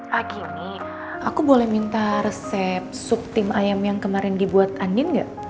pagi ini aku boleh minta resep sup tim ayam yang kemarin dibuat andin gak